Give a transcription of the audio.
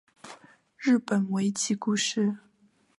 日本围棋故事